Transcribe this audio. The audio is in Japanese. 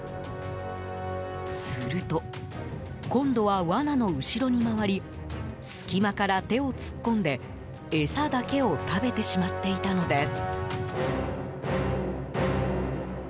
すると、今度は罠の後ろに回り隙間から手を突っ込んで餌だけを食べてしまっていたのです。